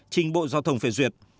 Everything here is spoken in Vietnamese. trình bộ giao thông phê duyệt